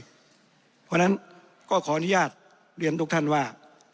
เพราะฉะนั้นก็ขออนุญาตเรียนทุกท่านว่า